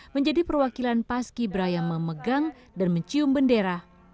menjadi perwakilan pas kibra yang memegang dan mencium bendera